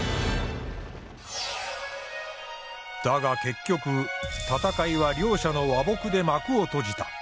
だが結局戦いは両者の和睦で幕を閉じた。